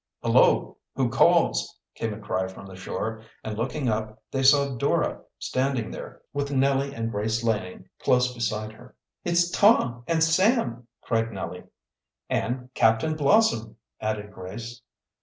"Hullo! Who calls?" came a cry from the shore, and, looking up, they saw Dora standing there, with Nellie and Grace Laning close beside her. "It's Tom and Sam!" cried Nellie. "And Captain Blossom," added Grace.